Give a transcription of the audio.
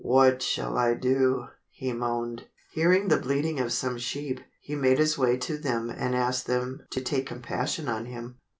"What shall I do?" he moaned. Hearing the bleating of some sheep, he made his way to them and asked them to take compassion on him.